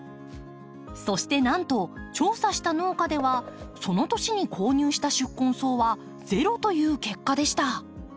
そしてなんと調査した農家ではその年に購入した宿根草は「０」という結果でした。